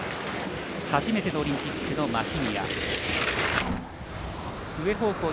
初めてのオリンピックのマヒニア。